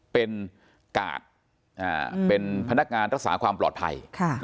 เป็นกาดเป็นพนักงานรักษาความปลอดภัย